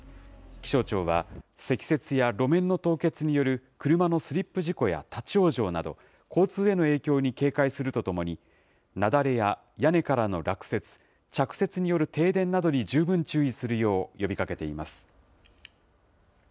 気象庁は、積雪や路面の凍結による車のスリップ事故や立往生など、交通への影響に警戒するとともに、雪崩や屋根からの落雪、着雪による停電などに十分注意するよう呼びかけています。